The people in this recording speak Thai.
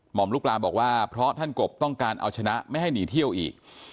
มลูกปลาบอกว่าเพราะท่านกบต้องการเอาชนะไม่ให้หนีเที่ยวอีก